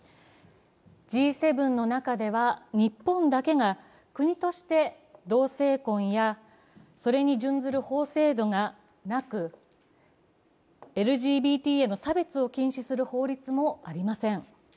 Ｇ７の中では、日本だけが国として同性婚やそれに準ずる法制度がなくＬＧＢＴへの差別を禁止する法律もありません。